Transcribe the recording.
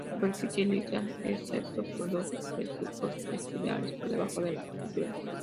Superficie lisa, excepto por dos o tres surcos espirales por debajo de la sutura.